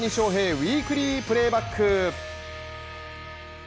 ウイークリー・プレーバック！